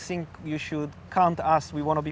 tapi saya pikir anda harus mengingatkan kami